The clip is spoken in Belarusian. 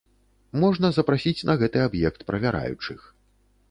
Можна запрасіць на гэты аб'ект правяраючых.